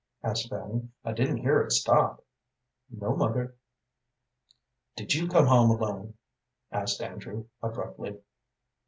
asked Fanny. "I didn't hear it stop." "No, mother." "Did you come home alone?" asked Andrew, abruptly.